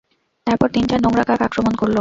তারপর তিনটা নোংরা কাক আক্রমণ করল।